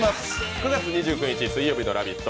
９月２９日水曜日の「ラヴィット！」